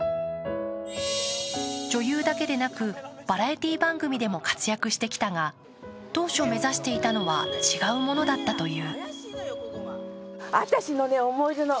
女優だけでなく、バラエティー番組でも活躍してきたが、当初目指していたのは違うものだったという。